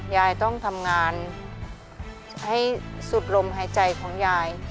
ยายต้องทำงานให้สุดลมหายใจของยาย